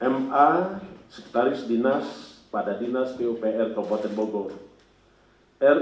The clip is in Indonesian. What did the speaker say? tk kepala bpkad kabupaten bogor